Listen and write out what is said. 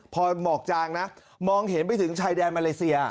พอหมอกจางนะมองเห็นไปถึงชายแดนมาเลเซีย